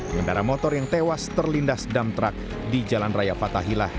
kendara motor yang tewas terlindas damtrak di jalan raya fatahilah